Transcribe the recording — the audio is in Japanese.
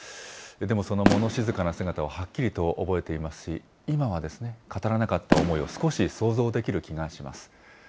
でもその物静かな姿をはっきりと覚えていますし、今は、語らなかった思いを少し想像できる気がします。